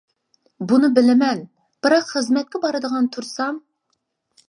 -بۇنى بىلىمەن، بىراق خىزمەتكە بارىدىغان تۇرسام.